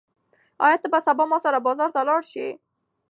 ایا ته به سبا ما سره بازار ته لاړ شې؟